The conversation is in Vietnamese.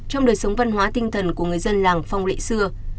trong đời sống văn hóa tinh thần của người dân làng phong lễ xưa